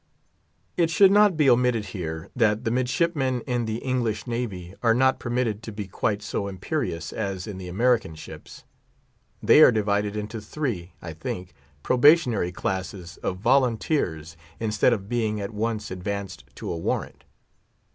It should not to be omitted here, that the midshipmen in the English Navy are not permitted to be quite so imperious as in the American ships. They are divided into three (I think) probationary classes of "volunteers," instead of being at once advanced to a warrant.